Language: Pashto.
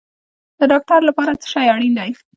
د ډاکټر لپاره څه شی اړین دی؟